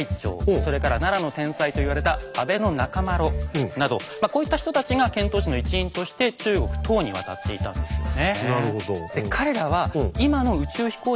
それから奈良の天才と言われた阿倍仲麻呂などこういった人たちが遣唐使の一員として中国唐に渡っていたんですよね。